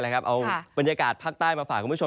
เอาบรรยากาศภาคใต้มาฝากคุณผู้ชม